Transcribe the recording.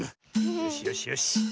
よしよしよし。